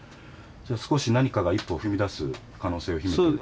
少し何かが一歩踏み出す可能性を秘めてると？